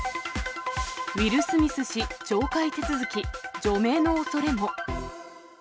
ウィル・スミス氏、懲戒手続き、除名のおそれも。